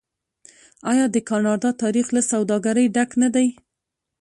آیا د کاناډا تاریخ له سوداګرۍ ډک نه دی؟